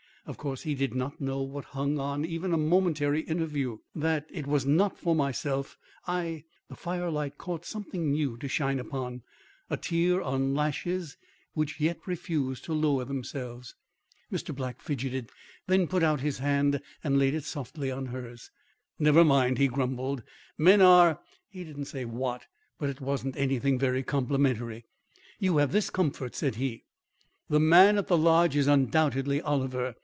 Of course, he did not know what hung on even a momentary interview. That it was not for myself I " The firelight caught something new to shine upon a tear on lashes which yet refused to lower themselves. Mr. Black fidgeted, then put out his hand and laid it softly on hers. "Never mind," he grumbled; "men are " he didn't say what; but it wasn't anything very complimentary. "You have this comfort," said he: "the man at the Lodge is undoubtedly Oliver.